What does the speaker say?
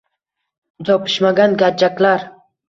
Yopishmagan gajjaklar